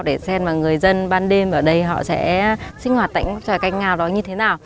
để xem và người dân ban đêm ở đây họ sẽ sinh hoạt tại xoài canh ngao đó như thế nào